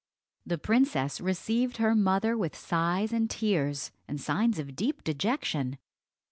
The princess received her mother with sighs and tears, and signs of deep dejection.